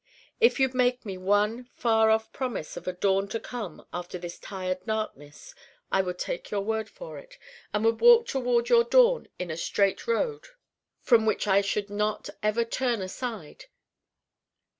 If you'd make me one far off promise of a dawn to come after this tired darkness I would take your word for it and would walk toward your dawn in a straight road from which I should not ever turn aside.